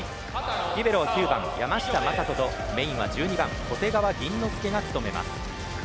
リベロ９番、山下聖斗とメーンは１２番小手川吟之介が務めます。